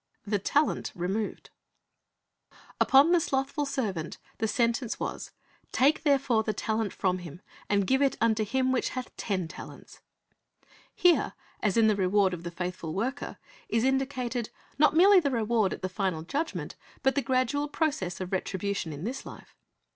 THE TALENT REMOVED Upon the slothful servant the sentence was, "Take therefore the talent from him, and give it unto him which hath ten talents." Here, as in the reward of the faithful worker, is indicated, not merely the reward at the final Judgment, but the gradual process of retribution in this life.